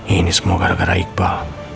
ini semua gara gara iqbal